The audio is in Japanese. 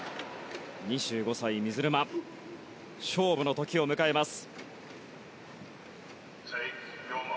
２５歳、水沼勝負の時を迎えます。